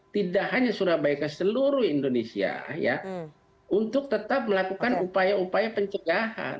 tidak hanya surabaya ke seluruh indonesia ya untuk tetap melakukan upaya upaya pencegahan